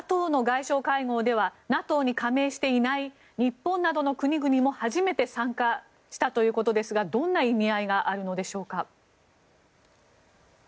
ＮＡＴＯの外相会合ではＮＡＴＯに加盟していない日本などの国々も初めて参加したということですがどんな意味合いがあるのでしょうか。